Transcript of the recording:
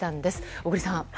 小栗さん。